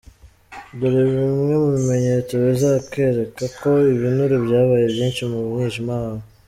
Dore bimwe mu bimenyetso bizakwereka ko ibinure byabaye byinshi ku mwijima wawe.